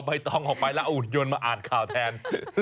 ใบตองออกไปแล้วเอาอุดยนต์มาอ่านข่าวแทน